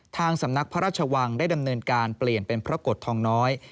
ทางสำนักพระราชวังได้ดำเนินการเปลี่ยนเป็นพระกฏทองน้อย